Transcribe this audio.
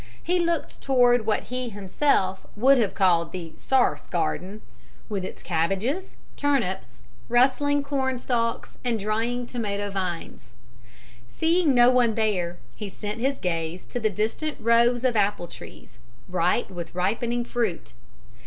He looked toward what he himself would have called the "sarce" garden, with its cabbages, turnips, rustling corn stalks, and drying tomato vines. Seeing no one there, he sent his gaze to the distant rows of apple trees, bright with ripening fruit.